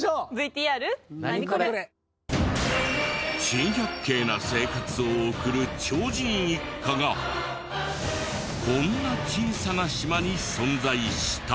珍百景な生活を送る超人一家がこんな小さな島に存在した。